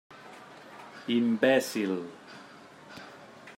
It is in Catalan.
Imbècil.